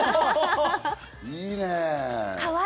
いいね！